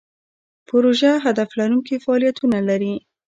پروژه هدف لرونکي فعالیتونه لري.